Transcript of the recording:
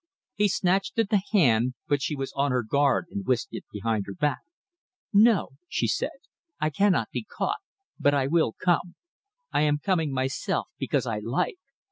He snatched at the hand, but she was on her guard and whisked it behind her back. "No!" she said. "I cannot be caught. But I will come. I am coming myself because I like.